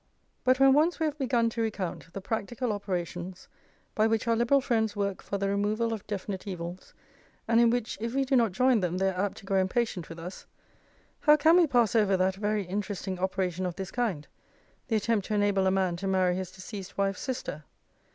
But when once we have begun to recount the practical operations by which our Liberal friends work for the removal of definite evils, and in which if we do not join them they are apt to grow impatient with us, how can we pass over that very interesting operation of this kind, the attempt to enable a man to marry his deceased wife's sister?